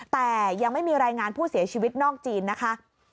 แต่ยังไม่มีรายงานผู้เสียชีวิตนอกจีนนะคะ